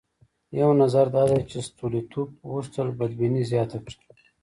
یو نظر دا دی چې ستولیتوف غوښتل بدبیني زیاته کړي.